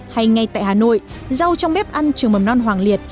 hay ngay tại hà nội rau trong bếp ăn trường mầm non hoàng liệt